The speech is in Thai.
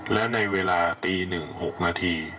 และในเวลาตี๑๖นาที